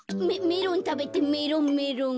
メロンたべてメロンメロン。